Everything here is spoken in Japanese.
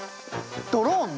ドローン！？